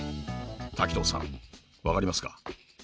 滝藤さん分かりますか？